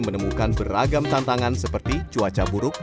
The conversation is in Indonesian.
menemukan beragam tantangan seperti cuaca buruk